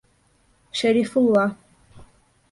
Шәрифулла